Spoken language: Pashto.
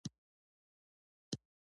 ورزش باید عام شي